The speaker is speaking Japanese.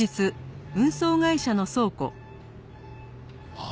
ああ